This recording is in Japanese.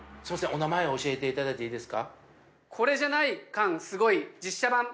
お名前教えていただいていいですか？